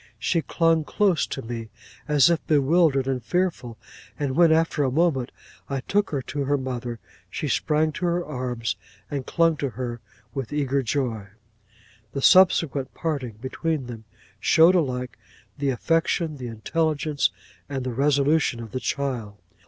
She clung close to me, as if bewildered and fearful; and when, after a moment, I took her to her mother, she sprang to her arms, and clung to her with eager joy. 'The subsequent parting between them, showed alike the affection, the intelligence, and the resolution of the child.